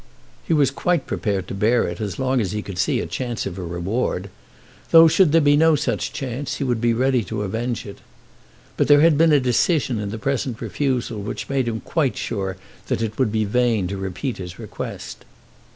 He was quite prepared to bear it as long as he could see a chance of a reward; though, should there be no such chance, he would be ready to avenge it. But there had been a decision in the present refusal which made him quite sure that it would be vain to repeat his request.